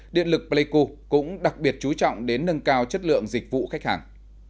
điện lực pleiku cũng đặc biệt chú trọng đến nâng cao chất lượng dịch vụ khách hàng